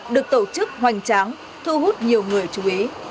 được tổ chức hoành tráng thu hút nhiều người chú ý